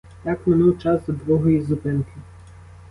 Так минув час до другої зупинки.